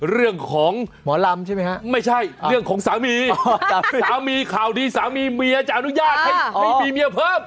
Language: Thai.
เรื่องของหมอลำใช่ไหมฮะไม่ใช่เรื่องของสามีสามีข่าวดีสามีเมียจะอนุญาตให้ไม่มีเมียเพิ่ม